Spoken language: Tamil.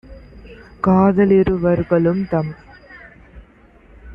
காத லிருவர்களும் - தம்